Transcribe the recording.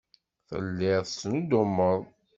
Telliḍ tettnuddumeḍ.